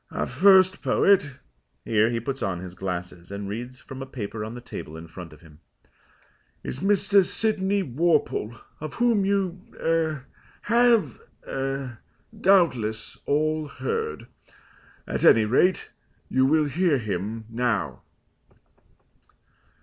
Our first poet" here he puts on his glasses, and reads from a paper on the table in front of him "is Mr. Sydney Worple, of whom you er have er doubtless all heard. At any rate you will hear him now."